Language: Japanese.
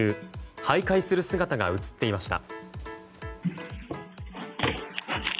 徘徊する姿が映っていました。